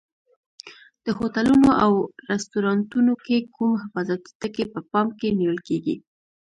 د هوټلونو او رستورانتونو کې کوم حفاظتي ټکي په پام کې نیول کېږي؟